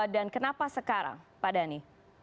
dan kenapa sekarang pak dhani